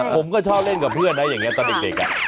ผมก็ชอบเล่นกับเพื่อนนะอย่างนี้ตอนเด็ก